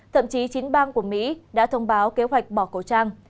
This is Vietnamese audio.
thậm chí chín bang của mỹ đã thông báo kế hoạch bỏ khẩu trang